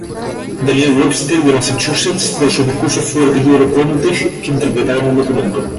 Daniel Webster, de Massachusetts, por sus discursos fuertes y elocuentes que interpretaban el documento.